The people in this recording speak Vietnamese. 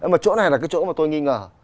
mà chỗ này là cái chỗ mà tôi nghi ngờ